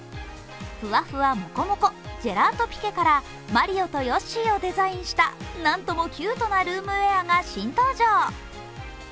ふわふわモコモコ、ジェラートピケからマリオとヨッシーをデザインしたなんともキュートなルームウェアが新登場。